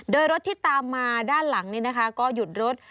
โดยรถที่ตามมาด้านหลังก็หยุดรถ